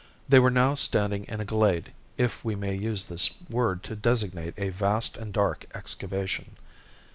They were now standing in a glade, if we may use this word to designate a vast and dark excavation.